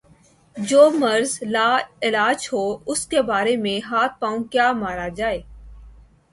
جو مرض لا علاج ہو اس کے بارے میں ہاتھ پاؤں کیا مارا جائے۔